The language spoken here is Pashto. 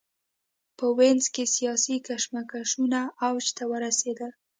په وینز کې سیاسي کشمکشونه اوج ته ورسېدل.